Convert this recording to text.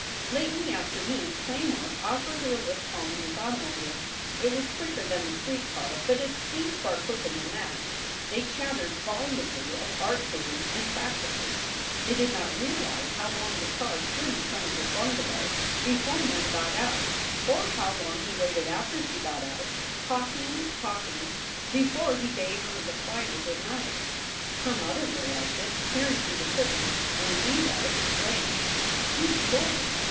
Late in the afternoon Claymore offered her a lift home in his automobile. It was quicker than the street car, but it seemed far quicker than that. They chattered volubly of art theories and practices. They did not realize how long the car stood in front of her bungalow before Mem got out, SOULS FOR SALE 239 or how long he waited after she got out, talking, talking, before he bade her the final good night. Her mother realized it, peering through the curtains, and Leva exclaimed: "Good Lord!